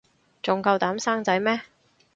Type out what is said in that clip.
仲夠膽生仔咩